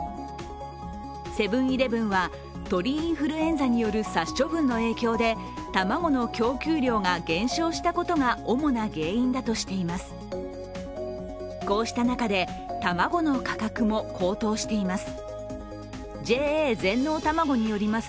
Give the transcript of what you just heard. セブン−イレブンは鳥インフルエンザによる殺処分の影響で卵の供給量が減少したことが主な原因だとしています。